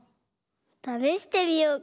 ためしてみようか。